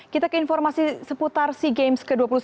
kita ke informasi seputar sea games ke dua puluh satu